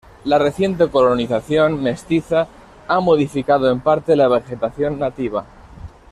La reciente colonización mestiza, ha modificado en parte la vegetación nativa.